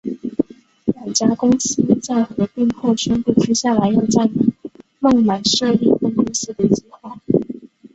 两家公司在合并后宣布接下来要在孟买设立分公司的计划。